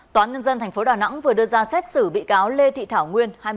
toán nhân dân thành phố đà nẵng vừa đưa ra xét xử bị cáo lê thị thảo nguyên